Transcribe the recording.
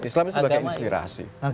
islam sebagai inspirasi